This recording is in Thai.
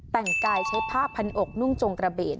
แต่งกายใช้ผ้าพันอกนุ่งจงกระเบน